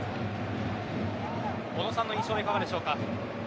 小野さんの印象はいかがでしょうか。